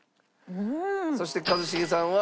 そして一茂さんは。